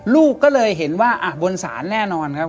ลูกก็เลยเห็นว่าบนศาลแน่นอนครับ